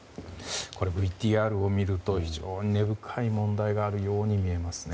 ＶＴＲを見ると非常に根深い問題があるように見えますね。